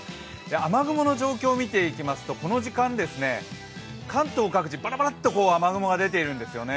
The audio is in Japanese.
雨雲の状況を見ていきますとこの時間、関東各地バラバラっと雨雲が出ているんですよね。